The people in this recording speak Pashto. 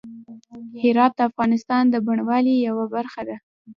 هرات د افغانستان د بڼوالۍ یوه برخه ده.